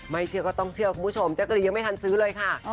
เชื่อก็ต้องเชื่อคุณผู้ชมแจ๊กกะรีนยังไม่ทันซื้อเลยค่ะ